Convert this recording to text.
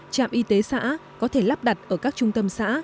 trạm y tế xã có thể lắp đặt ở các trung tâm xã